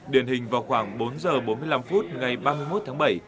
điển hình vào khoảng bốn h bốn mươi năm phút ngày ba mươi một tháng bảy